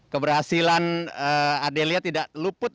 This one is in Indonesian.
keberhasilan ardelia tidak luput